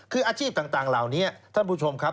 คืออาชีพต่างเหล่านี้ท่านผู้ชมครับ